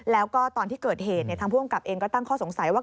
แล้วก็ตอนที่เกิดเหตุทางผู้กำกับเองก็ตั้งข้อสงสัยว่า